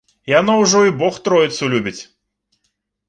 Яно ўжо і бог тройцу любіць.